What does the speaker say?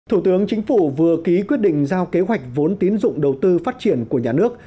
thủ tướng chính phủ vừa ký quyết định giao kế hoạch vốn tín dụng đầu tư phát triển của nhà nước